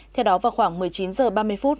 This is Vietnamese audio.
theo đó vào khoảng một mươi chín h ba mươi phút